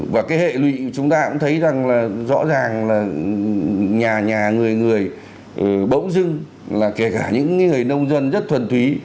và cái hệ lụy chúng ta cũng thấy rằng là rõ ràng là nhà nhà người người bỗng dưng là kể cả những người nông dân rất thuần thúy